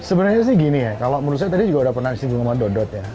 sebenarnya sih gini ya kalau menurut saya tadi juga udah pernah disinggung sama dodot ya